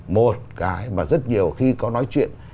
một cái mà rất nhiều khi có nói chuyện